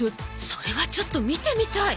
それはちょっと見てみたい！